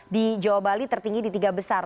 di jawa bali tertinggi di tiga besar